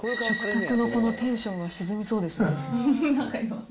食卓のこのテンションが沈みそうですね。